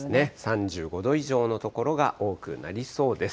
３５度以上の所が多くなりそうです。